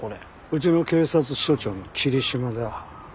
うちの警察署長の桐島だ。